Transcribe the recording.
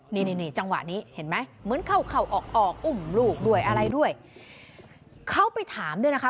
นี่นี่จังหวะนี้เห็นไหมเหมือนเข้าเข้าออกออกอุ้มลูกด้วยอะไรด้วยเขาไปถามด้วยนะคะ